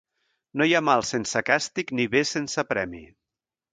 No hi ha mal sense càstig ni bé sense premi.